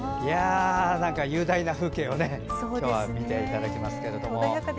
雄大な風景を今日は見ていただきます。